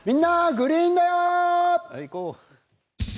グリーンだよ」。